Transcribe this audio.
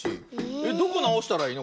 えっどこなおしたらいいの？